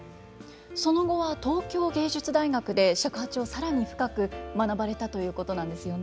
その後は東京藝術大学で尺八を更に深く学ばれたということなんですよね。